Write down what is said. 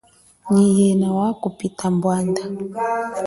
Nyi yena wakupita mbwanda?